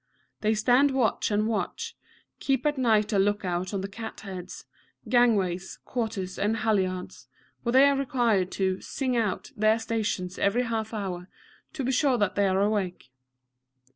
They stand watch and watch, keep at night a look out on the cat heads, gangways, quarters, and halliards, where they are required to "sing out" their stations every half hour, to be sure that they are awake.